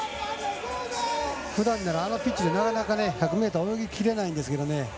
ふだんならあのピッチで、なかなか１００ｍ泳ぎきれないんですけど。